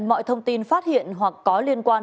mọi thông tin phát hiện hoặc có liên quan